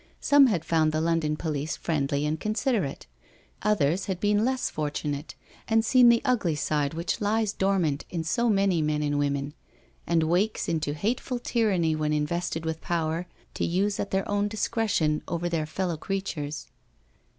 Some had found the London police friendly and considerate, others had been less fortunate and seeh the ugly side which lies dormant in so many men and women, and wakes into hateful tyranny when invested with power to use at their own discretion over their fellow crea tures.